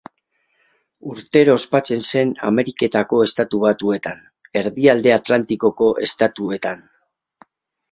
Urtero ospatzen zen Ameriketako Estatu Batuetan, Erdialde Atlantikoko Estatuetan.